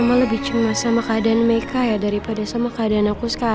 mama lebih cemas sama keadaan mereka ya daripada sama keadaan aku sekarang